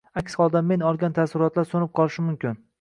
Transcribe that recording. Aks holda men olgan taassurotlar so‘nib qolishi mumkin.